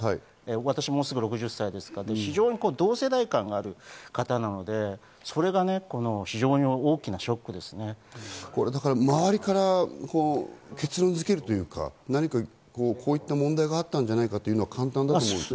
私、もう少しで６０歳ですが、同世代感がある方なので、それが非常に大きなショ周りから結論づけるというか、こういった問題があったんじゃないかというのは簡単だと思うんです。